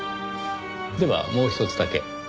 ではもうひとつだけ。